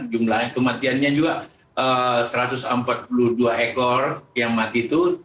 jumlah kematiannya juga satu ratus empat puluh dua ekor yang mati itu